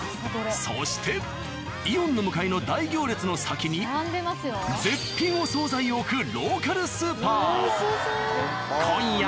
そして、イオンの向かいの大行列の先に絶品の総菜を置くローカルスーパー。